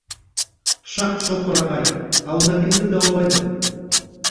— Шак-Шоҡор ағай, ауылда кемде дауалайбыҙ?